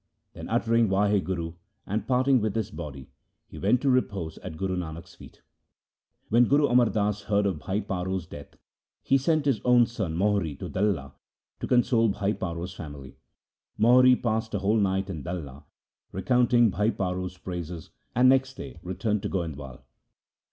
Then uttering ' Wahguru ', and parting with his body, he went to his repose at Guru Nanak's feet. When Guru Amar Das heard of Bhai Paro's death, he sent his own son Mohri to Dalla to console Bhai Paro's family. Mohri passed a whole night in Dalla, recounting Bhai Paro's praises, and next day returned to Goindwal.